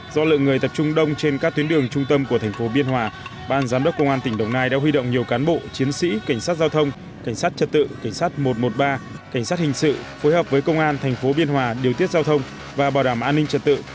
do lượng người tập trung đông trên các tuyến đường trung tâm của thành phố biên hòa ban giám đốc công an tỉnh đồng nai đã huy động nhiều cán bộ chiến sĩ cảnh sát giao thông cảnh sát trật tự cảnh sát một trăm một mươi ba cảnh sát hình sự phối hợp với công an thành phố biên hòa điều tiết giao thông và bảo đảm an ninh trật tự